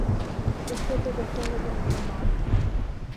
اس سے تو بہتر ہے کہ مسلمان